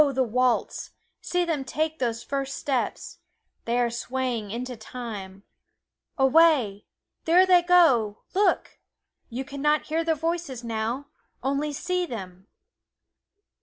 the waltz see them take those first steps they are swaying into time away! there they go look! you can not hear their voices now only see them!"